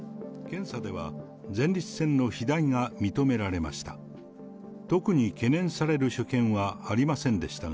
検査では前立腺の肥大が認められました。